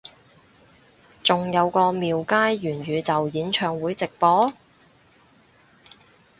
仲有個廟街元宇宙演唱會直播？